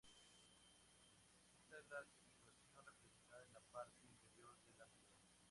Esta es la situación representada en la parte inferior de la figura.